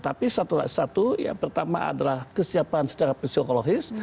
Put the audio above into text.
tapi satu yang pertama adalah kesiapan secara psikologis